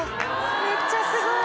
めっちゃすごい！